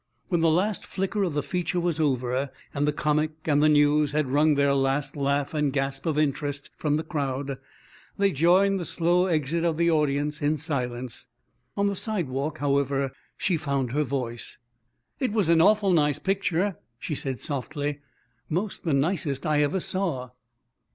When the last flicker of the feature was over and the comic and the news had wrung their last laugh and gasp of interest from the crowd, they joined the slow exit of the audience in silence. On the sidewalk, however, she found her voice. "It was an awful nice picture," she said softly. "'Most the nicest I ever saw."